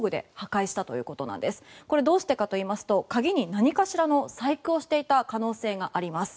どうしてかといいますと鍵に何かしらの細工をしていた可能性があります。